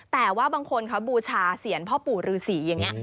แต่ว่าบางคนเขาบูชาเสียงพ่อปู่ฤษีอย่างนี้